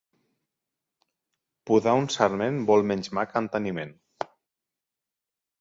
Podar un sarment vol menys mà que enteniment.